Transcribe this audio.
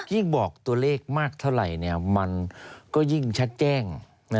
ยิ่งบอกตัวเลขมากเท่าไหร่มันก็ยิ่งชัดแจ้ง